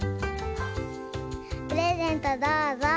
プレゼントどうぞ。